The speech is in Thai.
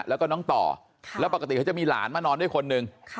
แล้วก็น้องต่อแล้วปกติเขาจะมีหลานมานอนด้วยคนหนึ่ง